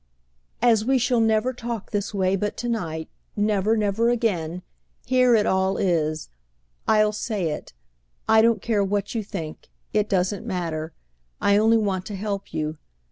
"As we shall never talk this way but to night—never, never again!—here it all is. I'll say it; I don't care what you think; it doesn't matter; I only want to help you.